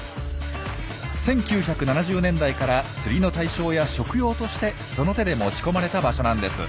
１９７０年代から釣りの対象や食用として人の手で持ち込まれた場所なんです。